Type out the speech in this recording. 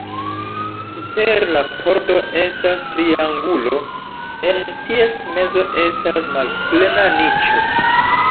Super la pordo estas triangulo, en ties mezo estas malplena niĉo.